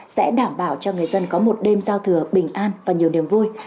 sẽ đảm bảo cho người dân có một đêm giao thừa bình an và nhiều niềm vui